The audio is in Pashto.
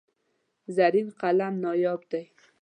زرین قلم نایاب دی.